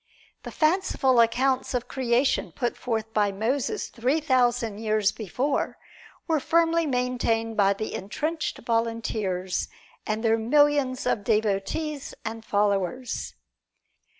The fanciful accounts of Creation put forth by Moses three thousand years before were firmly maintained by the entrenched volunteers and their millions of devotees and followers.